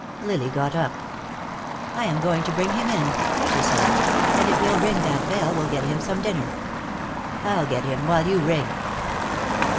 Lily got up. "I am going to bring him in," she said. "And if you'll ring that bell we'll get him some dinner." "I'll get him, while you ring."